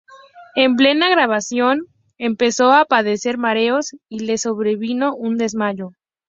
En plena grabación, empezó a padecer mareos y le sobrevino un desmayo.